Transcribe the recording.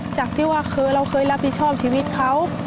จากที่ว่าเราเคยรับผิดชอบชีวิตเขา